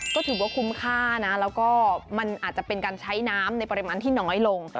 ก็ถือว่าคุ้มค่านะแล้วก็มันอาจจะเป็นการใช้น้ำในปริมาณที่น้อยลง